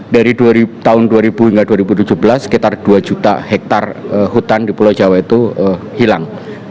dari tahun dua ribu hingga dua ribu tujuh belas sekitar dua juta hektare hutan di pulau jawa itu hilang